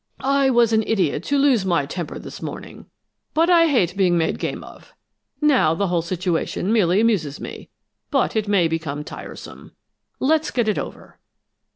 I was an idiot to lose my temper this morning, but I hate being made game of. Now the whole situation merely amuses me, but it may become tiresome. Let's get it over."